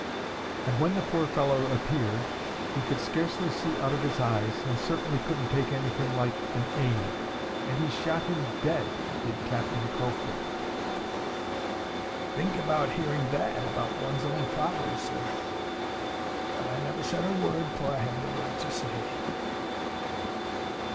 And when the poor fellow appeared, he could scarcely see out of his eyes, and certainly couldn't take anything like an aim. And he shot him dead,—did Captain Crowfoot.'—Think of hearing that about one's own father, sir! But I never said a word, for I hadn't a word to say.